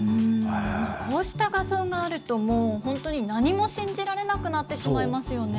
こうした画像があると、もう本当に何も信じられなくなってしまいますよね。